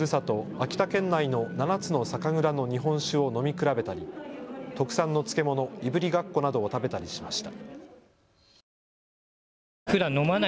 秋田県内の７つの酒蔵の日本酒を飲み比べたり特産の漬物、いぶりがっこなどを食べたりしました。